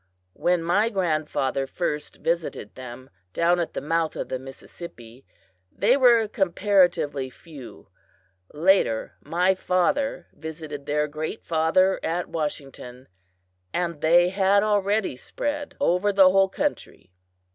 When my grandfather first visited them, down at the mouth of the Mississippi, they were comparatively few; later my father visited their Great Father at Washington, and they had already spread over the whole country."